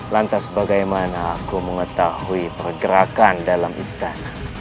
lantas bagaimana aku mengetahui pergerakan dalam istana